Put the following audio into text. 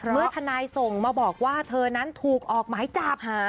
เมื่อทนายส่งมาบอกว่าเธอนั้นถูกออกหมายจับ